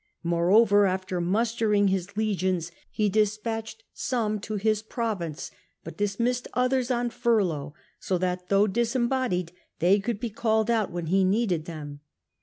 Moreover, after muster ing his legions, he despatched some to his province, but dismissed others on furlough, so that (though disem bodied) they could be called out when he needed them.